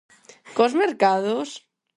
Cos mercados?